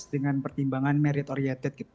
dengan pertimbangan merit oriented